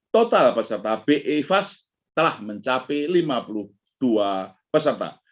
total peserta bi fast telah mencapai lima puluh dua peserta